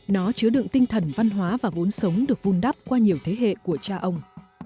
nó chứa đựng tinh thần văn hóa và vốn sống được vun đắp qua nhiều thế hệ của cha ông